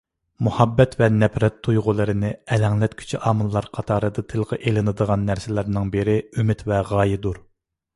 مۇھەببەت ۋە نەپرەت تۇيغۇلىرىنى ئەلەڭلەتكۈچى ئامىللار قاتارىدا تىلغا ئېلىنىدىغان نەرسىلەرنىڭ بىرى ئۈمىد ۋە غايەدۇر.